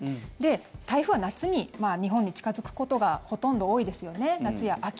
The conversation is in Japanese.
台風は夏に日本に近付くことがほとんど多いですよね、夏や秋。